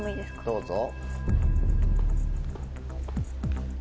どうぞ。